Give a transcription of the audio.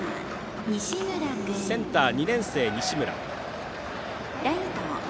センターは２年生の西村。